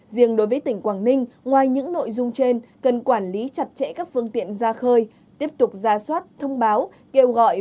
riêng đối với tỉnh quảng ninh ngoài những nội dung trên cần quản lý chặt chẽ các phương tiện ra khơi tiếp tục ra soát thông báo kêu gọi